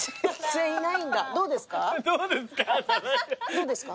どうですか？